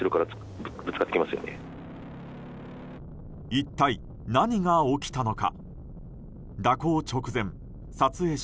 一体、何が起きたのか。